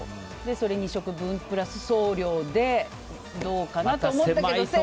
それ２食分プラス送料でどうかなと思ったけど。